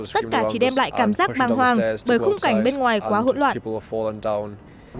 tất cả chỉ đem lại cảm giác băng hoang bởi khung cảnh bên ngoài quá hỗn loạn